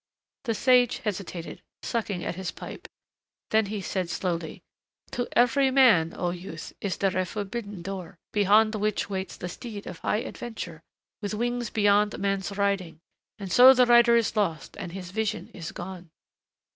The sage hesitated, sucking at his pipe. Then he said slowly, "To every man, O Youth, is there a forbidden door, beyond which waits the steed of high adventure ... with wings beyond man's riding. And so the rider is lost and his vision is gone."